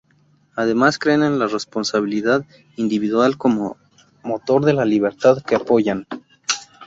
Además creen en la responsabilidad individual como motor de la libertad que apoyan.